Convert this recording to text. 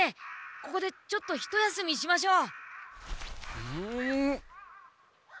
ここでちょっとひと休みしましょう。